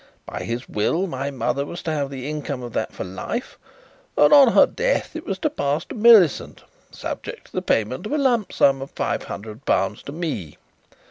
By his will my mother was to have the income of that for life and on her death it was to pass to Millicent, subject to the payment of a lump sum of five hundred pounds to me.